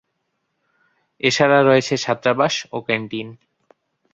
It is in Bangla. এছাড়া রয়েছে ছাত্রাবাস ও ক্যান্টিন।